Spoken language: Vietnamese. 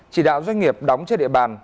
chỉ đạo doanh nghiệp đóng trên địa bàn